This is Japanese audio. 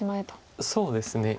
そうですね。